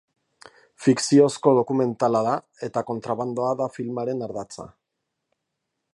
Fikziozko dokumentala da eta kontrabandoa da filmaren ardatza.